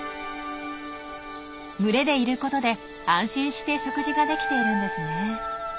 群れでいることで安心して食事ができているんですね。